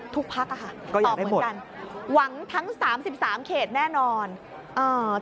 ทุกพักค่ะตอบเหมือนกันหวังทั้ง๓๓เขตแน่นอนก็อยากให้หมด